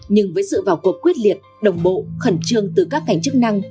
nhưng với sự vào cuộc quyết liệt đồng bộ khẩn trương từ các ngành chức năng